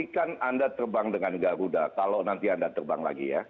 kalau nanti anda terbang lagi ya